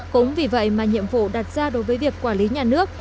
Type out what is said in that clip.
cũng vì vậy mà nhiệm vụ đặt ra đối với việc quản lý nhà nước